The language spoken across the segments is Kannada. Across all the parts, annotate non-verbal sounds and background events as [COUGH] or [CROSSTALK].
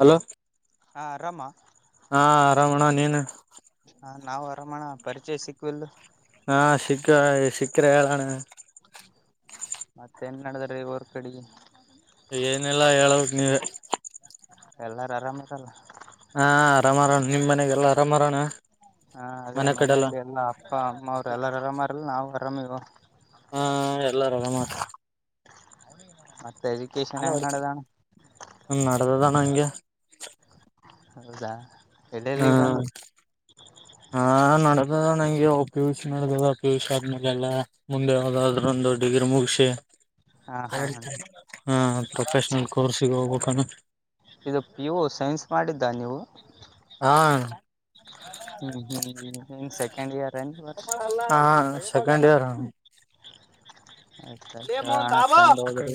ಹಲೋ ಹಾ ಆರಾಮಾ. ಹಾ ಅರಾಮಣ್ಣ ನೀನ. ಹಾ ನಾವು ಆರಾಮಣ್ಣಾ ಪರಿಚಯ ಸಿಕ್ವಿಲ. ಹಾ ಸಿಕ್ಕ ಸಿಕ್ಕರೆ ಹೇಳಣ್ಣಾ. ಮತ್ತ ಎನ್ ನಡದ್ರೀ ಊರ್ ಕಡೆಗೆ. ಏನಿಲ್ಲಾ ಹೇಳ್ಬೇಕ್ ನೀವೆ. ಎಲ್ಲಾರು ಆರಾಮ್ ಅದಾರ ಹಾ ಅರಾಮಾರ್ ನಿಮ್ ಮನೆಗೆಲ್ಲಾ ಅರಾಮಾರಣ ಹಾ ಅದೇ ಮನೇಲಿ ಎಲ್ಲಾ ಅಪ್ಪ ಅಮ್ಮ ಅವ್ರ ಎಲ್ಲ ಆರಾಮಾರಲ್ಲ ನಾವು ಆರಾಮ ಹಾ ಎಲ್ಲಾರರಾಮ ಆರ ಮತ್ತ ಹಲೋ ನಡೆದದಾನ ಹಂಗೆ [UNINTELLIGIBLE] ಹೌದಾ ಎಲ್ಲಿ ಎಲ್ಲಿಗ್ ಹ ಬಂದದ ಹಾ ನಡದದಣ್ ಪಿಯುಸಿ ನಡ್ದದ ಪಿ ಯ ಸಿ ಆದ್ಮೇಲೆೆಲ್ಲ ಮುಂದೆ ಯಾವವುದಾದ್ರೊಂದು ಡಿಗ್ರಿ ಮುಗಸಿ ಹಾ ಹಾ ಹಾ [UNINTELLIGIBLE] ಹ ಪ್ರೊಫೆಷನಲ್ ಕೋರ್ಸ್ ಗೆ ಹೋಗ್ಬೇಕ ಇದು ಪಿ ಯು ಸೈನ್ಸ್ ಮಾಡಿದ್ದ ನೀವು ಹಾ ಹ ಹ್ಮ ಸೆಕೆಂಡ್ ಇಯರ್ ವರ್ಷ ಹಾ ಸೆಕಂಡ್ ಇಯರ್ ಅಣ್ಣ ಆಯ್ತ ಆಯ್ತ ಅಣ್ಣ ಚೆಂದ್ ಓದ್ರಿ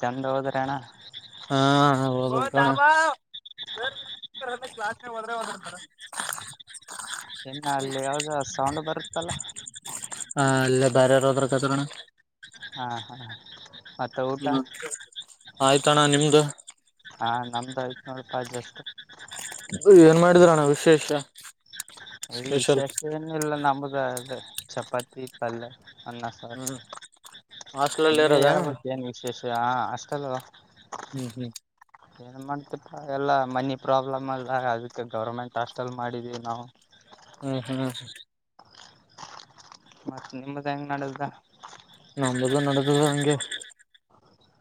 ಚಂದ್ ಓದ್ರಿ ಅಣ್ಣ ಹಾ ಕ್ಲಾಸ್ ಹೋದ್ರೆ ಒಂದತ [UNINTELLIGIBLE] ಇನ್ನ ಅಲ್ಲಿ ಯಾವ್ದ ಸೌಂಡ್ ಬರುತ್ತಲ್ಲ ಹ ಅಲ್ಲೆ ಬಾರಾವರ ಒದರಕತರಣ್ ಹಾ ಹಾ ಮತ್ತೆ ಊಟ ಆಯ್ತಣ್ಣ ನಿಮ್ದು [UNINTELLIGIBLE] ಹಾ ನಮ್ದು ಐತ್ ನೋಡ್ ಪ್ ಜಷ್ಟ ಏನ್ ಮಾಡಿದ್ರಣ ವಿಶೇಷ ಅ ಸ್ಪೆಷಲ್ ವಿಶೇಷ ಎನ ಇಲ್ಲ ನಮ್ಮಗೆ ಅ ಚಪಾತಿ ಪಲ್ಲೆ ಅನ್ನ ಸಾರ ಹ್ಮ್ ಹಾಸ್ಟ್ಲಲ್ಲಿ ನೀನೆ ಇರೋದ ಹೇಳ್ಬೇಕು ಹ್ಮ್ ನೀ ವಿಶೇಷ ಹಾಸ್ಟೆಲ್ ಹ್ಮ್ ಹ್ಮ್ ಏನ್ ಮಾಡ್ತಿಪಾ ಎಲ್ಲಾ ಮನಿ ಪ್ರಾಬ್ಲಮ್ ಅಲ್ಲ ಅದಕ್ಕೆ ಗವರ್ನಮೆಂಟ್ ಹಾಸ್ಟೆಲ್ ಮಾಡಿದವಿ ನಾವು ಹ್ಮ್ ಹ್ಮ್ ಹ್ಮ ಹ್ಮ ಮತ್ತ ನಿಮ್ದ ಹೆಂಗ್ ನಡದ್ದ ನಮ್ದು ನಡದದ ಹಂಗೆ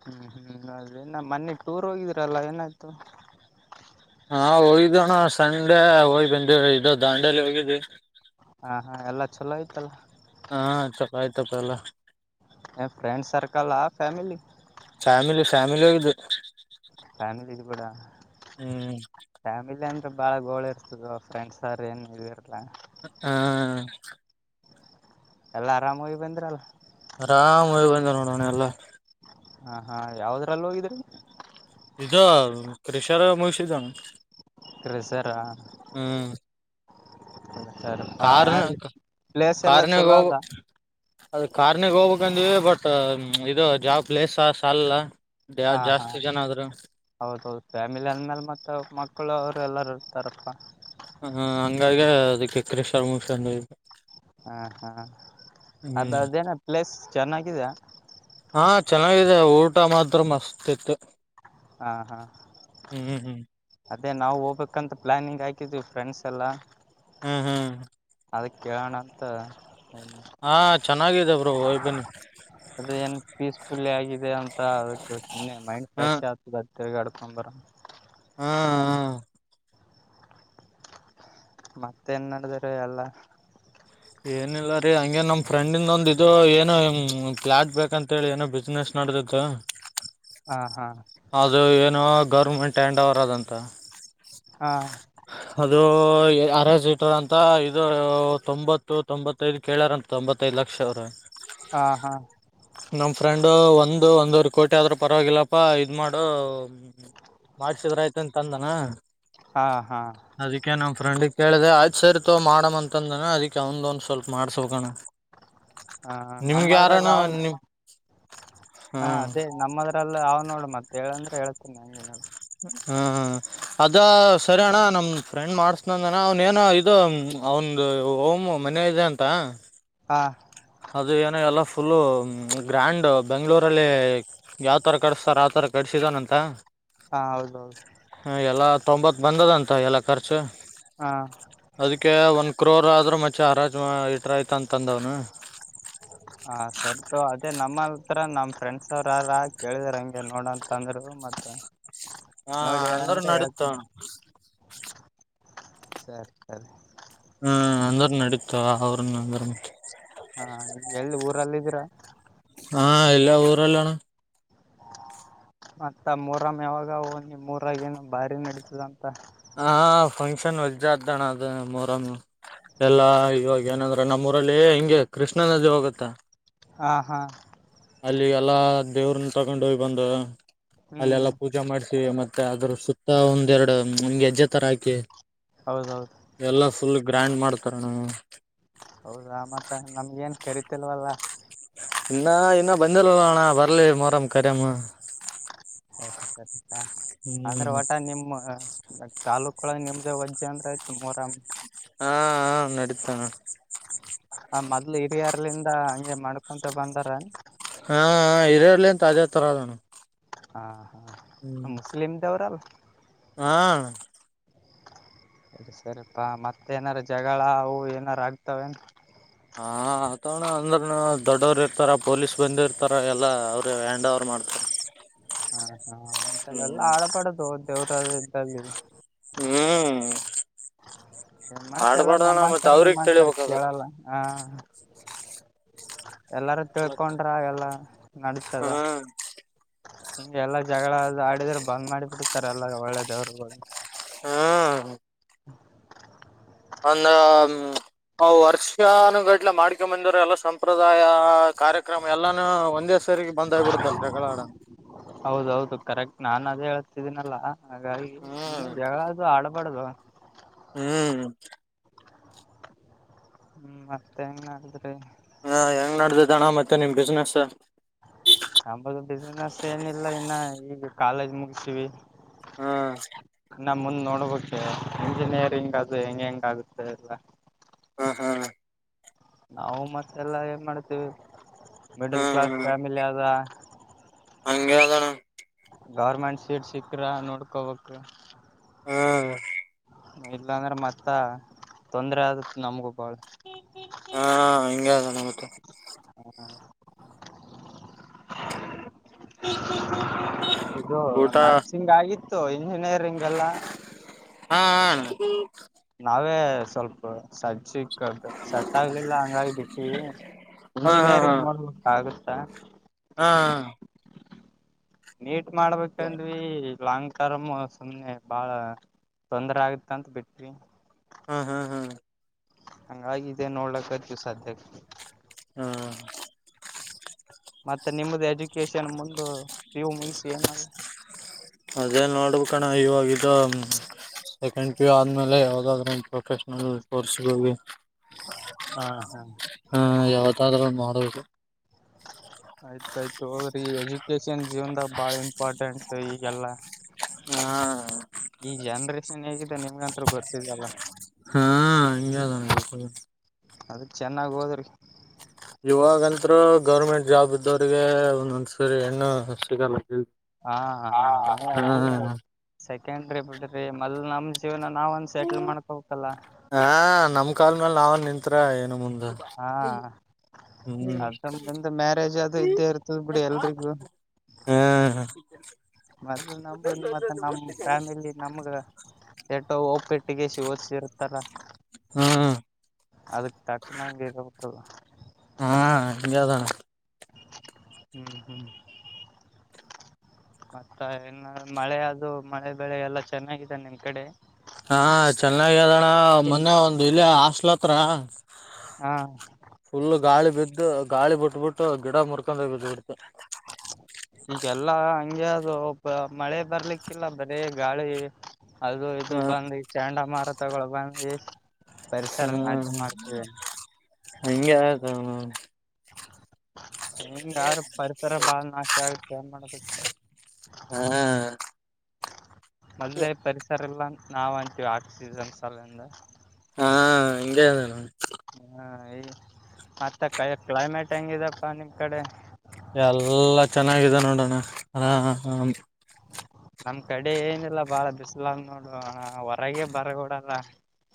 ಹ್ಮ್ ಹ್ಮ್ ಅದೇ ನ ಮೋನೆ ಟೂರಗ ಹೋಗಿದ್ರಲ್ಲ ಏನಾಯ್ತು ಹಾ ಹೋಗಿದ್ದಣ್ಣ ಸಂಡೆ ಹೋಗ್ ಬಂದ ಇದು ದಾಂಡಲಿ ಹೋಗಿದ್ವಿ ಹಾ ಹಾ ಎಲ್ಲಾ ಚಲೋ ಆಯ್ತಲ್ಲ ಹಾ ಚಲೋ ಆಯ್ತಪ್ಪ ಎಲ್ಲಾ ಫ್ರೆಂಡ್ ಸರ್ಕಲ್ ಆ ಫ್ಯಾಮಿಲಿ ಫ್ಯಾಮಿಲಿ ಫ್ಯಾಮಿಲಿ ಹೋಗಿದ್ದಿವಿ ಫ್ಯಾಮಿಲಿ ಇದು ಬಿಡು ಹ್ಮ್. ಫ್ಯಾಮಿಲಿ ಅಂದ್ರೆ ಬಾಳ ಗೋಳ ಇರ್ತದ ಫ್ರೆಂಡ್ಸ್ ಅವ್ರ ಏನು ಇದ ಇರಲಾ ಹಾ ಎಲ್ಲ ಆರಾಮೋಗಿ ಬಂದ್ರಲ್ ಆರಾಮ್ ಹೋಗಿ ಬಂದ ನೋಡೋಣ ಎಲ್ಲಾ ಹ ಹಾ ಯಾವದ್ರಲ್ಲ ಹೋಗಿದ್ರಿ ಇದು ಕ್ರಷರ ಮುಷಿದ್ದಂಗ ಕ್ರೆಸರಾ ಹ [INAUDIBLE] ಸರ್ ಯಾರು ಕಾರನಾಕ ಪ್ಲೇಸ್ ಎಲ್ಲಾ ಕಾರ್ ನ್ಯಾಗ ಚಲೋ ಹೋಗ ಅದ ಬೇಕು. [INAUDIBLE] ಅದ ಕಾರ್ನಗ್ ಹೋಗ್ಬೇಕಂದಿವಿ ಬಟ್ ಇದು ಯಾವ ಪ್ಲೇಸ್ ಸಾಲಲ್ಲ. [INAUDIBLE] ಯಾರ ಜಾಸ್ತಿ ಜನ ಆದರೂ? [INAUDIBLE] ಅವರದ ಅವರದ ಫ್ಯಾಮಿಲಿ ಅಂದ್ಮೇಲೆ ಮತ್ತ ಮಕ್ಕಳು ಅವರು ಎಲ್ಲಾರೂ ಇರ್ತಾರಪ್ಪ. [INAUDIBLE] ಹ ಹಂಗಾಗಿ ಅದಕ ಕ್ರಶ ಮುಗಸಕೊಂಡಿವಿ. [INAUDIBLE] ಯಾಕ ಅಣ್ಣ ಅದ ಹ್ಮ್ ಅದೇನ ಪ್ಲೇಸ್ ಚೆನ್ನಾಗಿದೆಯಾ? [INAUDIBLE] ಹಾ ಚೆನ್ನಾಗಿದೆ ಊಟ ಮಾತ್ರ ಮಸ್ತ ಇತ್ತು. [INAUDIBLE] ಹಾ ಹಾ [INAUDIBLE] ಹು ಹೂ [INAUDIBLE] ಅದೇ ನಾವು ಹೋಗ್ಬೇಕಂತ ಪ್ಲಾನಿಂಗ್ ಹಾಕಿದ್ವಿ ಫ್ರೆಂಡ್ಸ್ ಎಲ್ಲಾ? [INAUDIBLE] ಹ ಹ [INAUDIBLE] ಅದಕ್ಕೆ ಕೇಳೋನ ಅಂತ್ [INAUDIBLE] ಹಾ ಚೆನ್ನಾಗಿದೆ ಬ್ರೋ ಹೊಗಿ ಬನ್ನಿ. [INAUDIBLE] ಅದ ಏನ್ ಪೀಸ ಫುಲ್ ಆಗಿದೆ ಅಂತ ಅದಕ್ಕೆ ಸುಮ್ನೆ ಮೈಂಡ್ ಹಾ ಫ್ರೆಶ್ ಆತ. [INAUDIBLE] ತಿರ್ಗಾಕೋಡರ [INAUDIBLE] ಹಾ [INAUDIBLE] ಮತ್ತೆನ್ ನಡದದ ಎಲ್ಲಾ? [INAUDIBLE] ಏನಿಲ್ಲ ರೀ ಹಂಗೆ ನಮ್ಮ ಫ್ರೆಂಡಿದ ಒಂದ ಇದು ಏನು ಫ್ಲಾಟ್ ಬೇಕಂತೇಳಿ ಏನೋ ಬಿಸ್ನೆಸ್ [INAUDIBLE] ನಡದೇತ್ತ [INAUDIBLE] ಹಾ ಹಾ [INAUDIBLE] ಅದು ಏನೋ ಗೌರ್ಮೆಂಟ್ ಹ್ಯಾಂಡ್ ಓವರ್ ಅದಂತ. [INAUDIBLE] ಹಾ [INAUDIBLE] ಅದು ಯಾರ ಸೀಟರ್ ಅಂತ ಇದು ತೊಂಬತ್ತು ತೊಂಬತ್ತು [INAUDIBLE] ತ್ತ್ತೈದ ಕೇಳಾರಂತ ತೊಂಬತ್ತ್ತೈದು ಲಕ್ಷ ಅವರ [INAUDIBLE] ಹಾ ಹಾ [INAUDIBLE] ನಮ್ಮ ಫ್ರೆಂಡು ಒಂದು ಒಂದವರೆ ಕೋಟಿ ಆದ್ರ ಪರವಾಗಿಲ್ಲಪ್ಪ ಇದ ಮಾಡು [INAUDIBLE] ಮಾಡಸಿದರ ಆಯ್ತ ಅಂತ ಅಂದನ. [INAUDIBLE] ಹಾ ಹಾ [INAUDIBLE] ಅದಿಕೆ ನಮ್ಮ ಫ್ರಂಡಿಗ್ ಕೇಳಿದೆೆ ಆಯ್ತ ಸರಿತೋ ಮಾಡೋಮ ಅಂತಂದನ ಅದಿಕೆ ಅವಂದ ಒಂದ್ ಸ್ವಲ್ಪ ಮಾಡಸಬೇಕ ಅಣ್ಣ. [INAUDIBLE] ಹಾ ನಮ್ಮದ್ರಾಗ ಅವನ್ ನಿಮ್ ಹಾ ಹ ಅದೇ ನಮ್ಮದ [INAUDIBLE] ಅಂತ ಅಲ್ಲ ಅವಾ ನೋಡ್ ಮತ್ತ ಹೇಳಂದ್ರೆ ಹೇಳ್ತಿನಿ ನಾ ನಂಗ ಏನ್ ಆಗಬೇಕು. [INAUDIBLE] ಹ ಹ [INAUDIBLE] ಅದ ಸರಿ ಅಣ್ಣ ನಮ್ ಫ್ರೆಂಡ್ ಮಾಡಸನಂದಣ ಅವನೆನ ಇದು ಅವಂದ ಹೋಮ್ [INAUDIBLE] ಮನೆ ಇದೆ ಅಂತ. [INAUDIBLE] ಹಾ [INAUDIBLE] ಅದು ಏನ ಎಲ್ಲ ಫುಲ್ಲ ಗ್ರ್ಯಾಂಡ್ ಬೆಂಗಳೂರಲ್ಲಿ [INAUDIBLE] ಯಾವತರ ಕಡಿಸಸ್ತಾರ ಆತರ ಕಡಸಿದನಂತ. [INAUDIBLE] ಹಾ ಹೌದ ಹೌದು. [INAUDIBLE] ಹ ಎಲ್ಲಾ ತೊಂಬತ್ತ ಬಂದದ ಅಂತ್ ಎಲ್ಲಾ ಖರ್ಚು [INAUDIBLE] ಹಾ [INAUDIBLE] ಅದಕ್ಕೆ ಒಂದ್ ಕ್ರೋರ್ ಆದ್ರ ಮಚಾ ಆರಾಜ್ ಇಟ್ರ ಆಯ್ತ ಅಂತ ಅಂದವನ [INAUDIBLE] ಹಾ ಸರಿತೋ ಅದೇ ನಮ್ಮ [INAUDIBLE] ಆತರಾ ನಮ್ಮ ಫ್ರೆಂಡ್ಸ್ ಅವ್ರಾರ ಕೇಳಿದರ ಹಂಗೆ ನೋಡಂತ ಅಂದ್ರು ಮತ್ತ [INAUDIBLE] ಹ ನೋಡಿ ಹೇಳ ಅಂದ್ರ ಅಂದ್ರೆ ನಡೀತ ಹೇಳ್ತೀನಿ ಸರಿ ಸರಿ [INAUDIBLE] ಹ್ಮ್ ಅಂದ್ರ ನಡೀತ ಅವ್ರನ್ನ ಅಂದ್ರ ಹಾ ಎಲ್ಲಿ ಊರಲ್ಲಿದ್ದೀರಾ ಹಾ ಇಲ್ಲೇ ಊರಲ್ಲಿ ಅಣ್ಣ ಮತ್ತ ಮೊಹರಂ ಯಾವಾಗ ಓ ನಿಮೂರಾಗ ಏನು ಭಾರಿ ನಡೀತದಂತ ಹಾ ಫಂಕ್ಷನ್ ಹೊಜ್ದಣ ಅದು ಮೊಹರಂ ಎಲ್ಲಾ ಇವಾಗ ಏನಂದ್ರ ನಮ್ಮೂಊರಲ್ಲಿ ಹಿಂಗೆ ಕೃಷ್ಣ ನದಿ ಹೋಗುತ್ತಾ ಹಾ ಹಾ ಅಲ್ಲಿ ಎಲ್ಲಾ ದೇವ್ರನ್ನ ತಗೊಂಡ ಹೋಗಿ ಬಂದ ಅಲ್ಲಿ ಹ್ಮ್ ಎಲ್ಲಾ ಪೂಜ ಜೆ ಮಾಡ್ಸ ಮತ್ತೆ ಅದ್ರ ಸುತ್ತ ಒಂದ್ ಎರಡು ಗೆಜ್ಜೆ ತರ ಹಾಕಿ ಹೌದ ಹೌದು ಎಲ್ಲ ಫುಲ್ ಗ್ರ್ಯಾಂಡ್ ಮಾಡ್ತಾರ ಅಣ್ಣ ಹೌದಾ ಮತ್ತ ನಮ್ಗ ಏನ್ ಕರಿೀತಿಲ್ವಲ್ಲ ಇನ್ನ ಇನ್ನ ಬಂದಲ್ವಲೋ ಅಣ್ಣ ಬರಲಿ ಮೊರಂ ಕರಿಯಾಮ ಸರಿ ಸರಿಪ್ಪಾ ಅಂದ್ರೆ ಹ್ಮ್ ಒಟ ನಿಮ್ಮ ನ ತಾಲೂಕೊಳಗ ನಿಮ್ದ ವಜ್ಜ ಅಂದ್ರೆ ಆಯ್ತು ಮೊಹರಂ ಹಾ ಹ ನಡೀತದ ಅಣ್ಣ ಆ ಮೊದ್ಲು ಹಿರಿಯರ್ಲಿಂದ ಹಂಗೆ ಮಾಡ್ಕೊಂತ ಬಂದಾರ ಹಾ ಹಾ ಹಿರಿಯರಿಂದ ತಾಜೇತರ ಅಣ್ಣ ಹಾ ಹಾ ಮುಸ್ಲಿಮ್ದವ್ರಲ್ಲ ಹ ಅಣ್ಣ ಸರಿ ಸರಿಪಾ ಮತ್ತ ಏನಾರ ಜಗಳ ಅವು ಏನಾರ ಆಗ್ತಾವೇನಾ ಹ ಅಯ್ತವಣ ಅಂದ್ರನು ದೊಡ್ಡವರು ಇರ್ತಾರ ಪೊಲೀಸ್ ಬಂದು ಇರ್ತಾರ ಎಲ್ಲಾ ಅವರು ಹ್ಯಾಂಡ್ ಓವರ್ ಮಾಡ್ತಾರೆ ಹಾ ಹಾ ಅಂತಾವೆಲ್ಲ ಆಡಬಾಡದು ದೇವ್ರ್ದಲ್ಲಿ ಹ್ಮ್ ಏನ್ ಮಾಡತ್ತ ಎಲ್ಲ ಆಡ್ಬಾರ್ದಣ ನಮ್ಮ್ ಮತ್ ಅಂತಾರೆ ನಿಮ್ಮ್ ಅವ್ರಗ್ ಅಂತಾರೆ ತಿಳಿಬೇಕದು ಕೇಳಲ್ಲ ಹಾ ಎಲ್ಲಾರೂ ಮತ್ ತಿಳ್ಕೊಂಡ್ರ ಎಲ್ಲ ನಡೀತಾದ ಹಾ ಹಿಂಗೆ ಎಲ್ಲಾ ಜಗಳ ಆಡಿದ್ರೆ ಬಂದ್ ಮಾಡಿ ಬಿಡ್ತಾರೆ ಎಲ್ಲ ಒಳ್ಳೆ ದೇವರು ಹಾ [INAUDIBLE] ಒಂದು ವರ್ಷಾನಗಟ್ಲೆ ಮಾಡ್ಕೊಂಬಂದವ್ರ ಎಲ್ಲ ಸಂಪ್ರದಾಯ ಕಾರ್ಯಕ್ರಮ ಎಲ್ಲಾನು ಒಂದೇ ಸರಿಗೆ ಬಂದಾಗ್ ಬಿಡುತಲ್ಲ ಜಗಳ ಆಡ ಹೌದೌದು ಕರೆಕ್ಟ್ ನಾನ್ ಅದೇ ಹೇಳ್ತಿದ್ದೀನಲ್ಲಾ ಹಾಗಾಗಿ ಸುಮ್ನೆ ಹ್ಮ್ ಜಗಳ ಅದು ಆಡಬಡದು ಹ್ಮ್ ಹ್ಮ್ ಮತ್ತೆ ಹೆಂಗ ನಡುದ್ರಿ ಹಾ ಹೆಂಗ್ ನದಿತಾಯ್ತ್ ಅಣ್ಣ ಮತ್ತೆ ನಿಮ್ ಬಿಸ್ನೆಸ್ ನಂಬದು ಬಿಸಿನೆಸ್ ಏನಿಲ್ಲ ಇನ್ನ ಈಗ ಕಾಲೇಜ್ ಮುಗಸೀವಿ ಹಾ ನಾ ಮುಂದ್ ನೋಡ್ಬೇಕೆ ಇಂಜಿನಿಯರಿಂಗ್ ಅದು ಹೆಂಗ್ ಹೆಂಗ ಆಗುತ್ತೆ ಎಲ್ಲ ಹಾ ಹಾ ನಾವು ಮತ್ತೆ ಎಲ್ಲ ಏನ್ ಮಾಡ್ತೀವಿ ಮಿಡಲ್ ಕ್ಲಾಸ್ ಫ್ಯಾಮಿಲಿ ಆದ ಅಂಗೆ ಅದಾಣ ಗೌರ್ಮೆಂಟ್ ಸೀಟ್ ಸಿಕ್ಕ್ರಾ ನೋಡ್ಕೋಬೇಕು ಹ್ಮ್ ಇಲ್ಲಾಂದ್ರೆ ಮತ್ತ ತೊಂದ್ರೆ ಆದತ್ ನಮ್ಗು ಬಾಳ್ [INAUDIBLE] [INAUDIBLE] ಹಾ ಹಿಂಗೆ ಅದಣ ಮತ್ತೆ ಇದು ಊಟ ನರ್ಸಿಂಗ್ ಆಗಿತ್ತು ಇಂಜಿನಿಯರಿಂಗ್ ಎಲ್ಲಾ ಹಾ ಹ ನಾವೇ ಸ್ವಲ್ಪ ಸಜ್ಜಿಕ್ ಸಟ್ ಆಗ್ಲಿಲ್ಲ ಹಂಗಾಗಿ ಬಿಟ್ಟವಿ ಹಾ ಹಾ ಹಾ ಇಂಜಿನಿಯರಿಂಗ್ ಹಾ ನೋಡ್ಬೇಕ ಆಗುತ್ತಾ ಹಾ ನೀಟ್ ಮಾಡ್ಬೇಕ್ಂದ್ವಿ ಲಾಂಗ ಮ್ಮ ಸುಮ್ಮ್ನೆ ಬಾಳ ತೊಂದ್ರ ಆಗತ್ತ ಅಂತ ಬಿಟವಿ ಹಾ ಹಾ ಹ್ಮ ಹ್ಮ ಹಂಗಾಗಿ ಇದೆ ನೋಡ್ಲಕ್ಕದವಿ ಸಧ್ಯಕ್ಕ ಹಾ ಮತ್ತೆ ನಿಮ್ದ ಎಜುಕೇಶನ್ ಮುಂದು ಪಿಯು ಮುಗಿಸಿ ಏನಾ ಅದೇ ನೋಡಬೇಕಣೋ ಇವಾಗ ಇದ ಹುಮ್. ಸೆಕೆಂಡ್ ಪಿಯು ಆದ್ಮೇಲೆ ಯಾವ್ದಾದ್ರೂ ಪ್ರೊಫೆಷನಲ್ ಕೋರ್ಸಿಗೋಗಿ. ಹಾ ಹಾ ಹಾ ಯವದಾದ್ರೂ ಒಂದ್ ಮಾಡ್ಬೇಕು. ಆಯ್ತಾಯ್ತು ಒದ್ರಿ ಎಜುಕೇಶನ್ ಜೀವನ್ದಾಗ ಬಾಳ ಇಂಪಾರ್ಟೆಂಟ್ ಈಗೆಲ್ಲಾ. ಹಾ ಈ ಜನ್ರೇಷನ್ ಹೇಗಿದೆ ನಿಮ್ಗಂತ್ರು ಗೊತ್ತಿಲ್ವಲ. ಹಾ ಹಂಗೆ ಅದಣ. ಅದಕ ಚೆನ್ನಾಗ್ ಒದ್ರಿ. ಇವಾಗಂತು ಗೌರ್ಮೆಂಟ್ ಜಾಬ್ ಇದ್ದವ್ರಿಗೆ ಒಂದೊಂದ್ಸರಿ ಹೆಣ್ಣು ಸಿಗಲ್ಲ. ಹಾ ಹ ಹಾ ಅದು ಸೆಕೆಂಡ್ರಿ ಬಿಡ್ರಿ ಮಲ್ ನಮ್ ಜೀವನ ನಾವ್ ಸೆಟ್ಲ್ ಮಾಡ್ಕೋಬೆಕಲ್ಲ. ಹಾ ನಮ್ ಕಾಲ್ಮೇಲ್ ನಾವ್ ನಿಂತ್ರಾ ಏನ್ ಮುಂದ್. ಹಾ ಅದ ಮುಂದೆ ಮ್ಯಾರೇಜ್ ಅದು ಇದ್ದೇ ಇರ್ತಲ್ ಬಿಡಿ ಎಲ್ರಿಗೂ ಹ್ಮ್ ಮತ ನಮ ಮತ್ತ ನಮ ಫ್ಯಾಮಿಲಿ ನಮ್ಗ ಎಟ್ಟ ಒಪ್ಪಿಟ್ಟ ಒಪಟ್ಟಿಗೆಸ ಓದಸಿರುತ್ತಲ್ಲ ಹ್ಮ್ ಅದಕ್ ತಕ್ನಂಗ ಇರತ್ತಲ್ಲ ಹಾ ಹಗೆದಣ ಹ್ಮ್ ಹ್ಮ್ ಮತ್ತ ಏ ಮಳೆ ಅದು ಮಳೆ ಬೆಳೆ ಎಲ್ಲ ಚೆನ್ನಾಗಿದೆ ನಿಮ್ ಕಡೆ ಹಾ ಚೆನ್ನಾಗೆ ಅದಣ್ಣ ಮೊನ್ನೆ ಒಂದ್ ಇಲ್ಲೇ ಮೊನ್ನೆ ಒಂದ್ ಇಲ್ಲೇ ಹಾಸ್ಟೆಲ ಹತ್ರಾ. ಹಾ ಫುಲ್ ಗಾಳಿ ಬಿದ್ದು ಗಾಳಿ ಬಿಟ್ಬಿಟ್ಟು ಗಿಡ ಮುರ್ಕೊಂದೆ ಬಿದ್ಬಿಡ್ತು. ಈಗೆಲ್ಲ ಹಂಗೆ ಅದೊ ಪ ಮಳೆ ಬರ್ಲಿಕ್ಕಿಲ್ಲ ಬರೇ ಗಾಳಿ. ಅದು ಇದು ಹಾ ಬಂದಿ ಚಂಡಮಾರುತಗಳು ಬಂದಿ. ಹ್ಮ್ ಹಂಗೆ ಅದ ಹಿಂಗಾದ್ರ ಪರಿಸರ ಬಾಳ ನಾಶ ಆಗುತ್ತ್ ಏನ್ ಮಾಡದ. ಹ್ಮ್ ಮೊದ್ಲೇ ಪರಿಸರಿಲ್ಲಾಂತ್ ನಾವಂತಿವ್ ಆಕ್ಸಿಜನ್ ಸಲೆಂದ. ಹಾ ಹಂಗೆ ಆದಣ. ಹಾ ಈ ಮತ್ತ ಕೈ ಕ್ಲೈಮೇಟ್ ಹೆಂಗಿದೆಪ ನಿಮ್ ಕಡೆ. ಎಲ್ಲಾ ಚೆನ್ನಾಗಿದೆ ನೋಡಣ ಅಣ ಹ [INAUDIBLE] ನಮ್ ಕಡೆ ಏನೆಲ್ಲಾ ಬಾಳ ಬಿ ಇಲ್ಲ ನೋಡು ಹೊರಗೆ ಬರಗೊಡಲ್ಲ.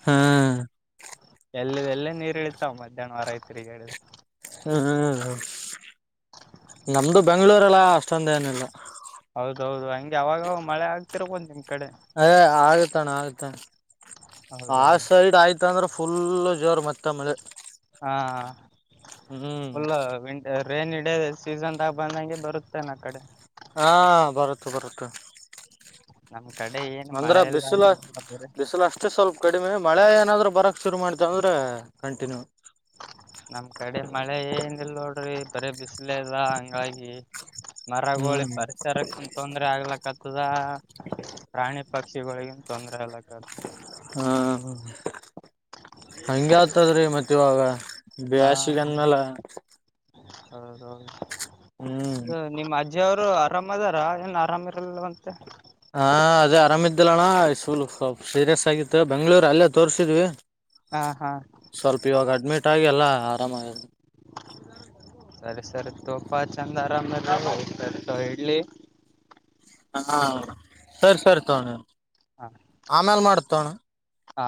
ಹಾ [INAUDIBLE] ಎಲ್ಲದೆಲ್ಲೇ ನೀರು ಇಳಿತಾವ ಮಧ್ಯಾಹ್ನ ವಾರ ಐತ್ರಿಗಡ ಹ್ಮ್ ಹ್ಮ್ ನಮ್ದು ಬೆಂಗಳೂರೆಲ್ಲ ಅಷ್ಟೊಂದ ಏನಿಲ್ಲ. ಹೌದೌ ಹೌದ ಹಂಗೆ ಅವಾಗ್ ಅವಾಗ್ ಮಳೆ ಆಗ್ತಿರ್ಬೋದ ನಿಮ್ ಕಡೆ. ಅ ಆಗತಣ ಆಗತಣ ಆ ಹೌದೌದು ಸೈಡ್ ಆಯ್ತ. ಇತ್ತ ಅಂದ್ರೆ ಫುಲ್ ಜೋರ್ ಮತ್ತೆ ಮೆಳೆ ಹಾ [INAUDIBLE] ಫುಲ್ ವೆ ರೇನಿ ಡೇ ಸೀಸನ್ದಾಗ ಬಂದಂಗೆ ಬರುತ್ತೆನಆ ಕಡೆ ಹಾ ಬರುತ್ತ ಬರುತ್ತ ನಮ್ ಕಡೆ ಏನ್ ಅಂದ್ರ ಮಳೆ ಇಲ್ಲ ಬಿಸಿಲು [UNINTELLIGIBLE] ಬಿಸಿಲು ಅಷ್ಟೇ ಸ್ವಲ್ಪ ಕಡಿಮೆ ಮಳೆ ಏನಾದ್ರು ಬರಕ್ ಶುರು ಮಾಡತದ್ರೆ ಅಂದ್ರೆ ಕಂಟಿನ್ಯೂ ನಮ್ ಕಡೆ ಮಳೆ ಏನ್ ಇಲ್ ನೋಡ್ರಿ ಬರ ಬಿಸಲ ಇಲ್ಲ ಹಂಗಾಗಿ ಮರಗೊಳಿಗೆ ಹ್ಮ್ ಪರಿಸರಕ್ಕ ತೊಂದ್ರೆ ಆಗ್ಲಕ್ಕತ್.. ಅದ್ ಪ್ರಾಣಿ ಪಕ್ಷಿಗಳಿಗನ್ ತೊಂದರೆ ಆಲಕ್ಕತದೆ [INAUDIBLE] ಹಾ ಹಂಗೆ ಆತದ್ರಿ ಮತ್ತೆ ಇವಾಗ. ಬ್ಯಾಸಿಗೆ ಅನ್ನಲಾ. ಹೌದೌ ಹೌದ [INAUDIBLE] ಅದ ಹ್ಮ್ ನಿಮ್ಮ ಅಜ್ಜ ಅವ್ರು ಆರಾಮ್ದಾರ ಏನ್ ಆರಾಮ್ ಇರಲ್ ಅಂತೆ.. ಹಾ ಅದೇ ಆರಾಮ ಇದಲ್ಲಣ್ಣ ಸೂಲ್ ಸೀರಿಯಸ್ ಆಗಿತ್ತು ಬೆಂಗ್ಳೂರು ಅಲ್ಲೇ ತೋರ್ರಿಸಿದ್ವಿ. ಹಾ ಹಾ ಸ್ವಲ್ಪ ಇವಾಗ ಅಡ್ಮಿಟ್ ಆಗಿ ಎಲ್ಲ ಆರಾಮಾಗಿದು. [INAUDIBLE] ಸರಿ ಸರಿ ತೋಪ ಚಂದ ಆರಾಮ್ ಇರಲಿ ಸರಿತೊ ಇಡ್ಲಿ. ಹಾ [INAUDIBLE] ಸರಿ ಸರಿ ತೋಣ ಹಾ ಆಮೇಲ್ ಮಾಡತೋಣ. ಹಾ.